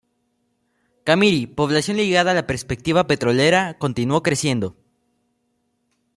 Camiri población ligada a la perspectiva petrolera, continuó creciendo.